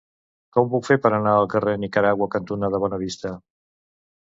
Com ho puc fer per anar al carrer Nicaragua cantonada Bonavista?